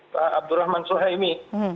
pak abdurrahman suhaimi